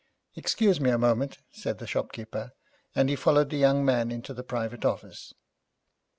'Excuse me a moment,' said the shopkeeper, and he followed the young man into the private office.